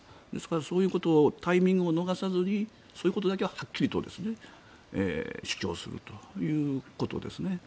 ですから、そういうことをタイミングを逃さずにそういうことだけははっきりと主張するということですね。